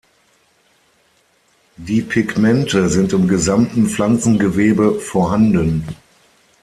Die Pigmente sind im gesamten Pflanzengewebe vorhanden.